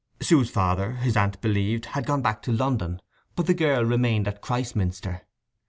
Sue's father, his aunt believed, had gone back to London, but the girl remained at Christminster.